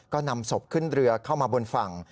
ก็นำศพขึ้นเรือเข้ามาบนฝั่ง